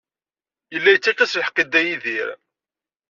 Yella yettakf-as lḥeqq i Dda Yidir.